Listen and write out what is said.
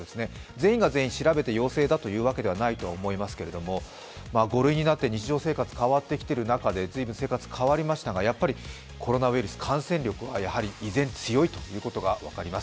全員が全員調べて陽性だというわけではないとは思いますが５類になって日常生活変わってきている中で、ずいぶん生活変わりましたがやっぱりコロナウイルス、感染力がやはり依然、強いということが分かります。